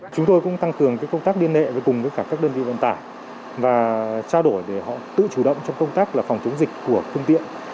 chúng tôi cũng tăng cường công tác liên lệ với các đơn vị vận tải và trao đổi để họ tự chủ động trong công tác phòng chống dịch của phương tiện